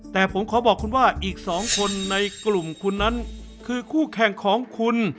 แต่ผมขอบอกคุณว่าอีก๒คนในกลุ่มคุณนั้นคือคู่แข่งของคุณ